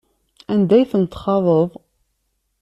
Anda ay tent-txaḍeḍ?